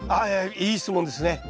いい質問ですね。